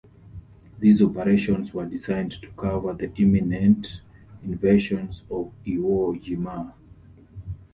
These operations were designed to cover the imminent invasion of Iwo Jima.